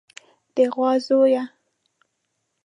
د غوا زويه.